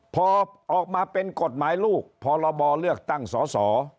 พอออกมาเป็นกฎหมายลูกพรบเลือกตั้งสอสอ